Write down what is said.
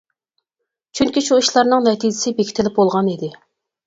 چۈنكى شۇ ئىشلارنىڭ نەتىجىسى بېكىتىلىپ بولغان ئىدى.